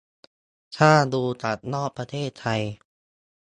ถ้าดูจากนอกประเทศไทย